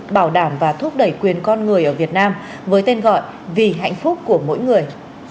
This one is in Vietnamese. bảo đảm và thúc đẩy quyền con người ở việt nam với tên gọi vì hạnh phúc của mỗi người